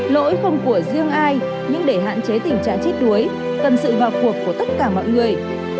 lỗi không của riêng ai nhưng để hạn chế tình trạng chết đuối cần sự vào cuộc của tất cả mọi người